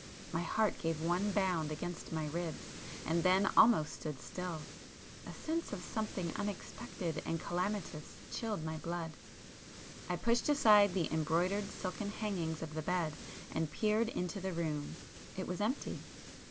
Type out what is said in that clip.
My heart gave one bound against my ribs and then almost stood still—a sense of something unexpected and calamitous chilled my blood. I pushed aside the embroidered silken hangings of the bed and peered into the room,—it was empty.